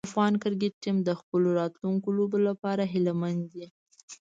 افغان کرکټ ټیم د خپلو راتلونکو لوبو لپاره هیله مند دی.